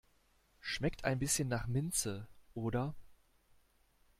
Schmeckt ein bisschen nach Minze, oder?